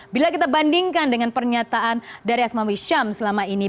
bila kita bandingkan dengan pernyataan dari asmawi syam selama ini